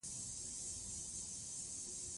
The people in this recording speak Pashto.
د کلیزو منظره د افغانستان د پوهنې نصاب کې شامل دي.